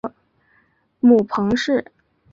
母彭氏。